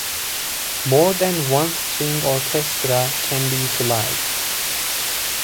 More than one string orchestra can be utilized.